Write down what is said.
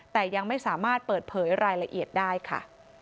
แต่ยังไม่สามารถเปิดเผยรายละเอียดได้ค่ะ